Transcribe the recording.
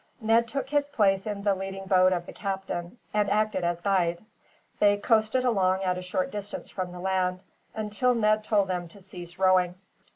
Ned took his place in the leading boat of the captain, and acted as guide. They coasted along at a short distance from the land, until Ned told them to cease rowing.